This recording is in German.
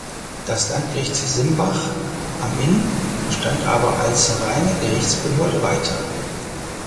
Das Landgericht Simbach am Inn bestand aber als reine Gerichtsbehörde weiter.